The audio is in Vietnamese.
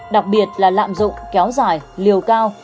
đặc biệt là lạm dụng kéo dài liều cao